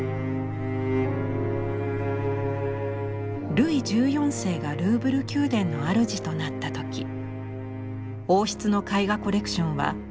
ルイ１４世がルーブル宮殿のあるじとなった時王室の絵画コレクションはまだ数十点でした。